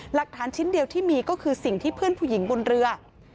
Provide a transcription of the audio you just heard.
หลักฐานชิ้นเดียวที่มีก็คือสิ่งที่เพื่อนผู้หญิงบนเรือ